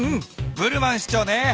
ブルマン市長ね。